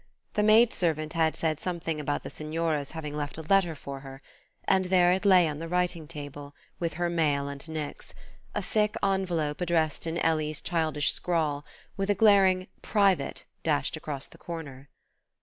The maid servant had said something about the Signora's having left a letter for her; and there it lay on the writing table, with her mail and Nick's; a thick envelope addressed in Ellie's childish scrawl, with a glaring "Private" dashed across the corner.